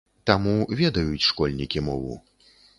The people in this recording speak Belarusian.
Таму ведаюць школьнікі мову.